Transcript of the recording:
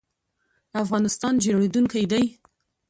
افغانستان جوړیدونکی دی